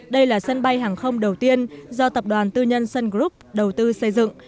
đây là sân bay hàng không đầu tiên do tập đoàn tư nhân sun group đầu tư xây dựng